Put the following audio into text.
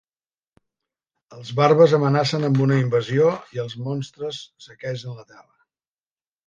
Els bàrbars amenacen amb una invasió, i els monstres saquegen la terra.